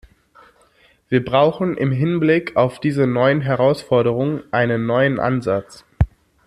Wir brauchen im Hinblick auf diese neuen Herausforderungen einen neuen Ansatz.